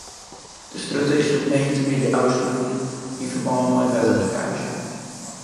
De strjitte is sûnt moandeitemiddei ôfsletten yn ferbân mei in wetterlekkaazje.